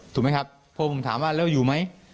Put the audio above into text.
ถูกไหมครับพอผมถามว่าแล้วอยู่ไหม